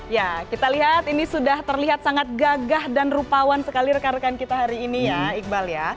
ya kita lihat ini sudah terlihat sangat gagah dan rupawan sekali rekan rekan kita hari ini ya iqbal ya